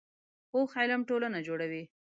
پوخ علم ټولنه جوړوي